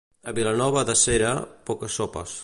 A Vilanova d'Éssera, poques sopes.